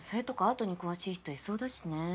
アートに詳しい人いそうだしね。